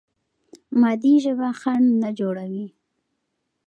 مادي ژبه خنډ نه جوړوي.